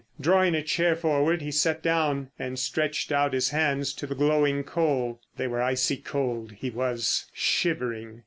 Drawing a chair forward he sat down and stretched out his hands to the glowing coal. They were icy cold. He was shivering.